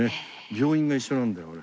病院が一緒なんだよ俺。